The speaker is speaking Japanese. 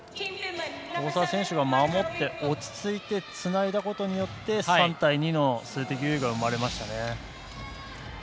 大澤選手が守って落ち着いてつないだことで３対２の数的優位が生まれました。